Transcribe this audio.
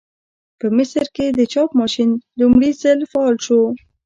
په مصر کې د چاپ ماشین لومړي ځل فعال شو.